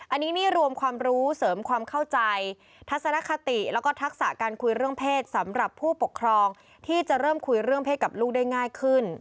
อันนี้นี่รวมความรู้เสริมความเข้าใจทัศนคติแล้วก็ทักษะการคุยเรื่องเพศสำหรับผู้ปกครองที่จะเริ่มคุยเรื่องเพศกับลูกได้ง่ายขึ้น